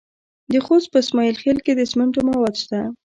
د خوست په اسماعیل خیل کې د سمنټو مواد شته.